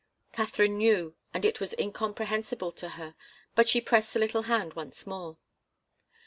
Katharine knew, and it was incomprehensible to her, but she pressed the little hand once more.